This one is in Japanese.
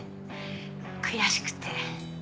悔しくて。